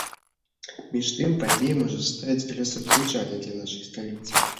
Між тым, падзея можа стаць лёсавызначальнай для нашай сталіцы.